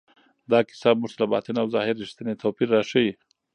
دا کیسه موږ ته د باطن او ظاهر رښتینی توپیر راښیي.